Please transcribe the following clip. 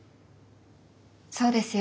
そうですよ。